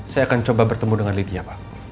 saya akan coba bertemu dengan lydia pak